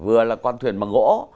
vừa là con thuyền bằng gỗ